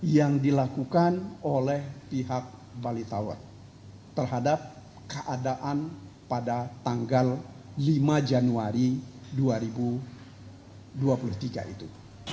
yang dilakukan oleh pihak bali tower terhadap keadaan pada tanggal lima januari dua ribu dua puluh tiga itu